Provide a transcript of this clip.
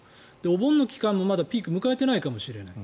お盆の期間もまだピークを迎えてないかもしれない。